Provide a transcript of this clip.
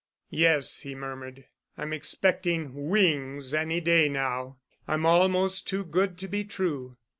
"Yes," he murmured. "I'm expecting wings any day now. I'm almost too good to be true."